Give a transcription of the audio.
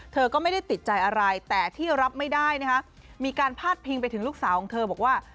เธอก็ไม่ได้ติดใจอะไรแต่ที่รับไม่ได้นะคะมีการพาดพิงไปถึงลูกสาวของเธอบอกว่า